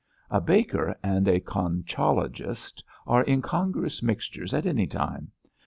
A baker and a conchologist are incongruous mixtures at any time.